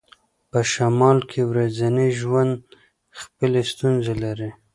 په شمال کې ورځنی ژوند خپلې ستونزې لري